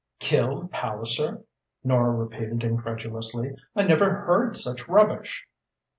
"Killed Palliser!" Nora repeated incredulously. "I never heard such rubbish!"